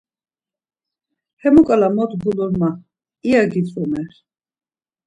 Hemuǩala mot gulur ma, iya gitzumer.